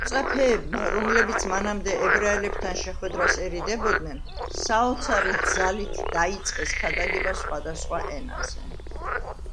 მოწაფეებმა, რომლებიც მანამდე ებრაელებთან შეხვედრას ერიდებოდნენ, საოცარი ძალით დაიწყეს ქადაგება სხვადასხვა ენაზე.